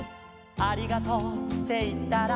「ありがとうっていったら」